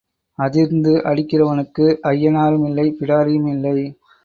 அதிர்ந்து அடிக்கிறவனுக்கு ஐயனாரும் இல்லை பிடாரியும் இல்லை.